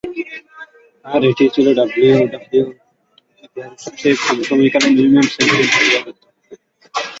আর এটিই ছিল ডাব্লিউডাব্লিউই-এর ইতিহাসে সবচেয়ে কম সময়কালীন উইমেন'স চ্যাম্পিয়নশিপ রাজত্ব।